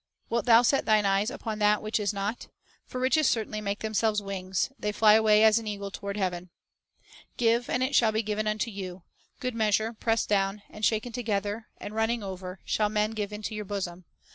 ... Wilt thou set thine eyes upon that which is not? for riches certainly make themselves wings; they fly away as an eagle toward heaven." 2 "Give, and it shall be given unto you; good meas ure, pressed down, and shaken together, and running over, shall men give into your bosom.